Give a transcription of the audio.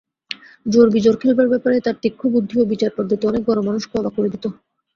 জোড়-বিজোড় খেলবার ব্যাপারে তার তীক্ষ্ণ বুদ্ধি ও বিচারপদ্ধতি অনেক বড়মানুষকেও অবাক করে দিত।